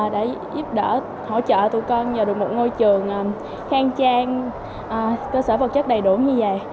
để giúp đỡ hỗ trợ tụi con nhờ được một ngôi trường khang trang cơ sở vật chất đầy đủ như vậy